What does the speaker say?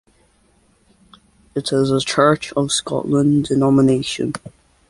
It is of Church of Scotland denomination.